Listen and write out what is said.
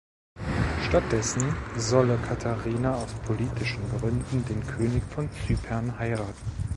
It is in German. Stattdessen solle Catarina aus politischen Gründen den König von Zypern heiraten.